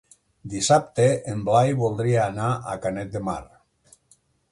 Dissabte en Blai voldria anar a Canet de Mar.